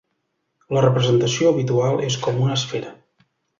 La representació habitual és com una esfera.